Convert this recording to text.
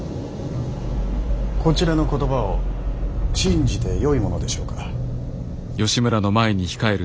こちらの言葉を信じてよいものでしょうか。